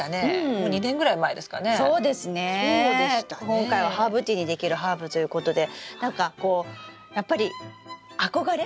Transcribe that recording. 今回はハーブティーにできるハーブということでなんかこうやっぱり憧れ？